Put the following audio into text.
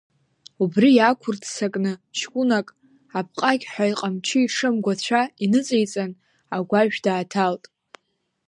Убри иақәырццакны ҷкәынак, апҟақьҳәа иҟамчы иҽы амгәацәа иныҵеиҵан, агәашә дааҭалт.